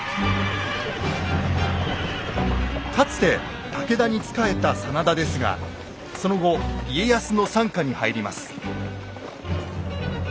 かつて武田に仕えた真田ですがその後家康の傘下に入ります。